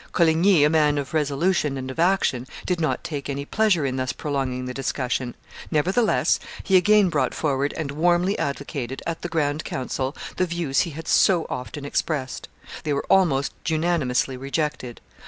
Coligny, a man of resolution and of action, did not take any pleasure in thus prolonging the discussion; nevertheless he again brought forward and warmly advocated, at the grand council, the views he had so often expressed. They were almost unanimously rejected.